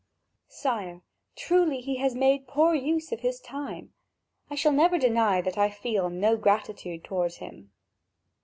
"Sire, truly he has made poor use of his time. I shall never deny that I feel no gratitude toward him."